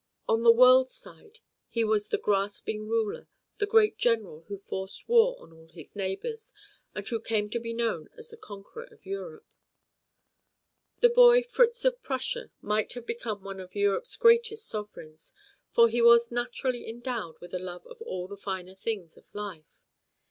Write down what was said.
On the world's side he was the grasping ruler, the great general who forced war on all his neighbors, and who came to be known as the conqueror of Europe. The boy Fritz of Prussia might have become one of Europe's greatest sovereigns, for he was naturally endowed with a love of all the finer things of life.